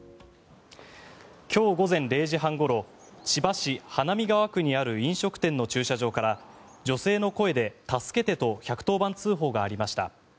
今日午前０時半ごろ千葉市花見川区にある飲食店の駐車場から女性の声で助けてと１１０番通報がありました。